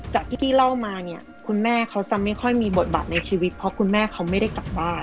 จากที่กี้เล่ามาเนี่ยคุณแม่เขาจะไม่ค่อยมีบทบาทในชีวิตเพราะคุณแม่เขาไม่ได้กลับบ้าน